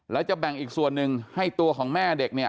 แล้วจะแบ่งอีกส่วนหนึ่งให้ตัวของแม่เด็กเนี่ย